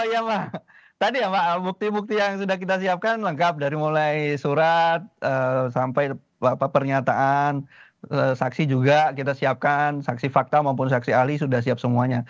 ya lah tadi ya pak bukti bukti yang sudah kita siapkan lengkap dari mulai surat sampai pernyataan saksi juga kita siapkan saksi fakta maupun saksi ahli sudah siap semuanya